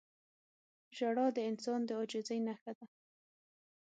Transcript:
• ژړا د انسان د عاجزۍ نښه ده.